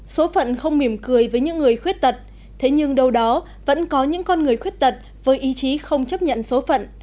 số phận không mỉm cười với những người khuyết tật thế nhưng đâu đó vẫn có những con người khuyết tật với ý chí không chấp nhận số phận